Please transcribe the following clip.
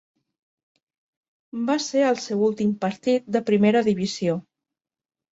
Va ser el seu últim partit de primera divisió.